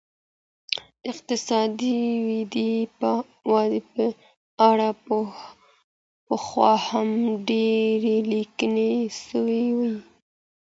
د اقتصادي ودي په اړه پخوا هم ډیري لیکنې سوې وې.